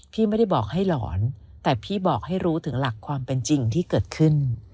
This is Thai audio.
พี่ไม่ได้บอกให้หลอนแต่พี่บอกให้รู้ถึงหลักความเป็นจริงที่เกิดขึ้น